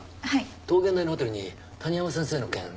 桃源台のホテルに谷浜先生の件確認してくれ。